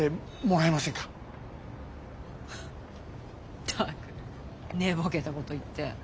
フッったく寝ぼけたこと言って。